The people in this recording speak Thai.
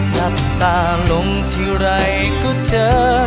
ดับตาลงที่ไหลก็เจอ